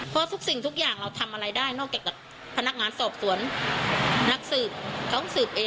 เพราะทุกสิ่งทุกอย่างเราทำอะไรได้นอกจากกับพนักงานสอบสวนนักสืบเขาสืบเอง